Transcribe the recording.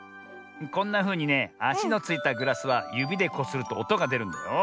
こんなふうにねあしのついたグラスはゆびでこするとおとがでるんだよ。